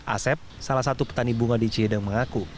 asep salah satu petani bunga di cihideng mengaku